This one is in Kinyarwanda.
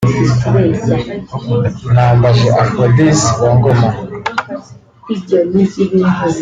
Nambaje Aphrodis wa Ngoma